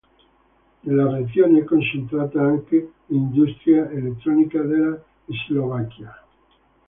Nella regione è concentrata anche l'industria elettrotecnica della Slovacchia.